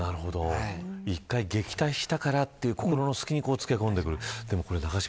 １回、撃退したからという心の隙につけこんでくる。